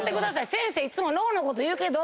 先生いつも脳のこと言うけど。